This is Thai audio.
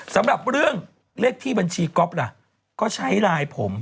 สำหรับเรื่องเลขที่บัญชีก๊อฟล่ะก็ใช้ไลน์ผม